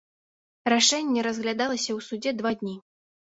Рашэнне разглядалася ў судзе два дні.